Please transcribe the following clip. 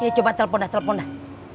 ya coba telepon dah telepon dah